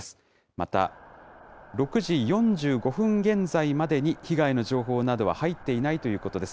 また、６時４５分現在までに被害の情報などは入っていないということです。